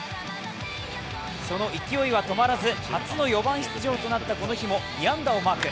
その勢いは止まらず初の４番出場となったこの日も２安打をマーク。